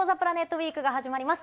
ウイークが始まります。